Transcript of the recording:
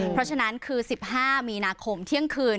เพราะฉะนั้นคือ๑๕มีนาคมเที่ยงคืน